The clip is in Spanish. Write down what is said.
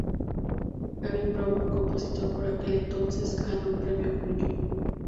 Gavin Brown, compositor por aquel entonces, ganó un premio Junio.